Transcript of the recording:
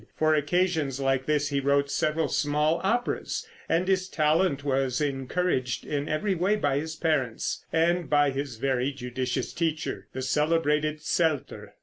For occasions like this he wrote several small operas, and his talent was encouraged in every way by his parents, and by his very judicious teacher, the celebrated Zelter.